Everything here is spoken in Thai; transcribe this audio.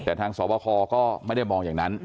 แต่ทางสวบคก็ไม่ได้มองอย่างนั้น